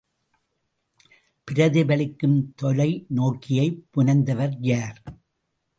பிரதிபலிக்கும் தொலைநோக்கியைப் புனைந்தவர் யார்?